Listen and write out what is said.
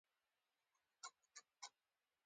نو کوم ډاکټران چې تاسو ته وائي جوس څښئ